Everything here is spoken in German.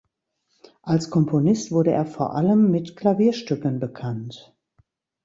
Als Komponist wurde er vor allem mit Klavierstücken bekannt.